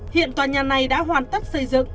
hiện tòa nhà này đã hoàn tất xây dựng